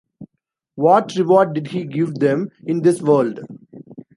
What reward did He give them in this world?